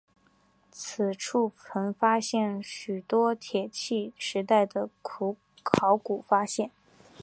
此处曾发现许多铁器时代的考古发现。